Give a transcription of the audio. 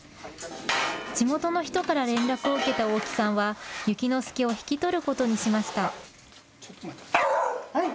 地元の人から連絡を受けた大木さんは、ゆきのすけを引き取ることにしました。